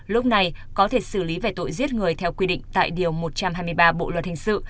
lúc này có thể xử lý về tội giết người theo quy định tại điều một trăm hai mươi ba bộ luật hình sự